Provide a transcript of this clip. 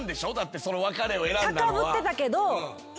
高ぶってたけど。